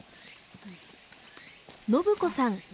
信子さん